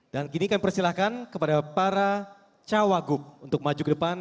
dan kini kami persilahkan kepada para cawaguk untuk maju ke depan